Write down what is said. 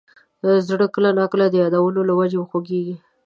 زړه کله نا کله د یادونو له وجې خوږېږي.